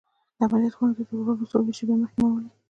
د عملیات خونې ته تر وړلو څو شېبې مخکې ما ولید